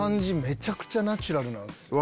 めちゃくちゃナチュラルなんすよ。